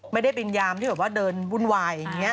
ไม่ได้เป็นยามที่แบบว่าเดินวุ่นวายอย่างนี้